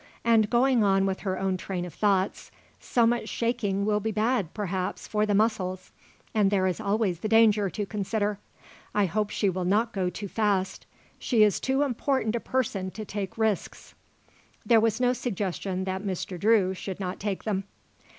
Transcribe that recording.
And, going on with her own train of thoughts, "So much shaking will be bad, perhaps, for the muscles. And there is always the danger to consider. I hope she will not go too fast. She is too important a person to take risks." There was no suggestion that Mr. Drew should not take them.